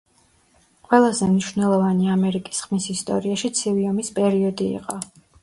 ყველაზე მნიშვნელოვანი ამერიკის ხმის ისტორიაში ცივი ომის პერიოდი იყო.